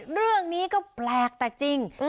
เรื่องนี้ก็แปลกแต่จริง